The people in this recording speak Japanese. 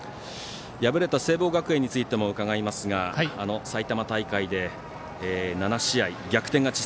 敗れた聖望学園についても伺いますが、埼玉大会で７試合逆転勝ち